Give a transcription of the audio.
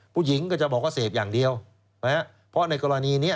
ผู้หญิงก็จะบอกว่าเสพอย่างเดียวเพราะในกรณีนี้